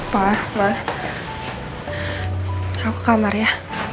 wah aku ke kamar ya